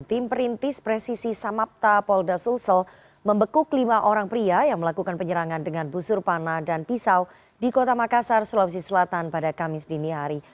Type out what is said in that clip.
tim perintis presisi samapta polda sulsel membekuk lima orang pria yang melakukan penyerangan dengan busur panah dan pisau di kota makassar sulawesi selatan pada kamis dini hari